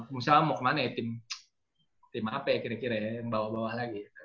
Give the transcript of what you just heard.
pengusaha mau kemana ya tim apa ya kira kira ya yang bawah bawah lagi